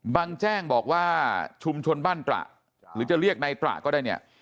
แจ้งบอกว่าชุมชนบ้านตระหรือจะเรียกนายตระก็ได้เนี่ย